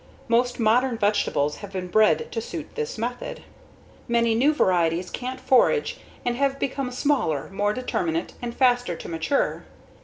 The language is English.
Most modern vegetables have been bred to suit this method. Many new varieties can't forage and have become smaller, more determinate, and faster to mature.